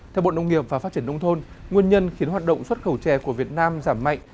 theo bộ nông nghiệp và phát triển nông thôn nguyên nhân khiến hoạt động xuất khẩu chè của việt nam giảm mạnh